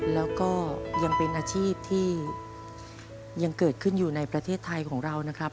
แล้วก็ยังเป็นอาชีพที่ยังเกิดขึ้นอยู่ในประเทศไทยของเรานะครับ